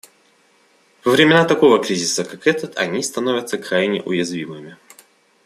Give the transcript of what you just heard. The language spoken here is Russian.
Во времена такого кризиса, как этот, они становятся крайне уязвимыми.